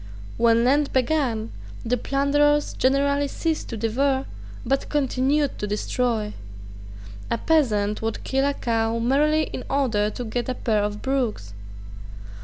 When Lent began, the plunderers generally ceased to devour, but continued to destroy. A peasant would kill a cow merely in order to get a pair of brogues.